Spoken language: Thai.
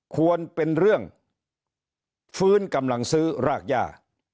ควรเป็นเรื่องฟื้นกำลังซื้อรากย่า